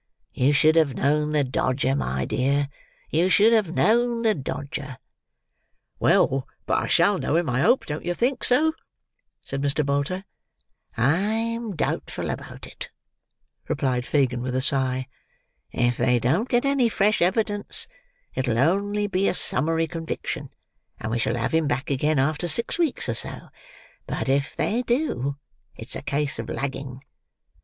You should have known the Dodger, my dear; you should have known the Dodger." "Well, but I shall know him, I hope; don't yer think so?" said Mr. Bolter. "I'm doubtful about it," replied Fagin, with a sigh. "If they don't get any fresh evidence, it'll only be a summary conviction, and we shall have him back again after six weeks or so; but, if they do, it's a case of lagging.